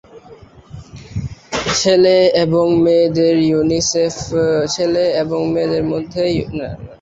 ছেলে এবং মেয়েদের মধ্যে, ইউনিসেফ দেখেছে যে মেয়েদের স্কুল ছেড়ে দেওয়া এবং গার্হস্থ্য ভূমিকায় কাজ করার সম্ভাবনা দ্বিগুণ বেশি।